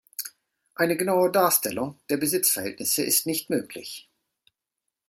Eine genaue Darstellung der Besitzverhältnisse ist nicht möglich.